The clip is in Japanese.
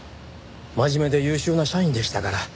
真面目で優秀な社員でしたから。